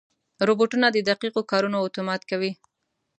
روبوټونه د دقیقو کارونو اتومات کوي.